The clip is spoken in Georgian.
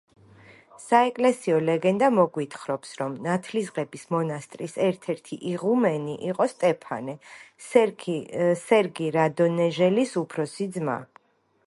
საეკლესიო ლეგენდა მოგვითხობს, რომ ნათლისღების მონასტრის ერთ-ერთი იღუმენი იყო სტეფანე, სერგი რადონეჟელის უფროსი ძმა.